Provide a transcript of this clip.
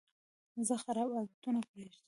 زه خراب عادتونه پرېږدم.